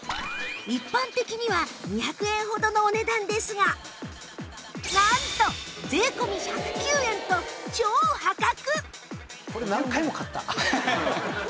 一般的には２００円ほどのお値段ですがなんと税込み１０９円と超破格！